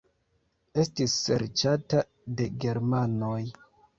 Estis serĉata de germanoj.